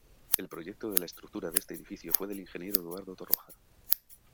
El proyecto de la estructura de este edificio fue del ingeniero Eduardo Torroja.